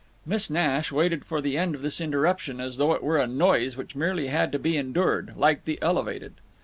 Miss Nash waited for the end of this interruption as though it were a noise which merely had to be endured, like the Elevated.